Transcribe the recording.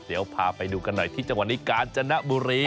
เดี๋ยวพาไปดูกันหน่อยที่จังหวัดนี้กาญจนบุรี